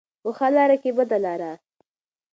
په ښه لاره که بده لاره.